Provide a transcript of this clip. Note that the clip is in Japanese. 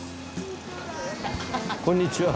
こんにちは。